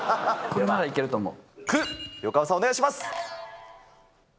これならいけると思う！